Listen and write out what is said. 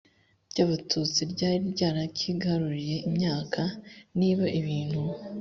ry abatutsi ryari ryarakigaruriye imyaka niba ibintu